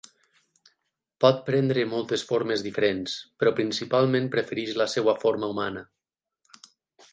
Pot prendre moltes formes diferents, però principalment prefereix la seva forma humana.